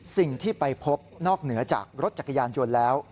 สิ่งที่ไปพบนอกเหนือจากรถจักรยานยนต์แล้ว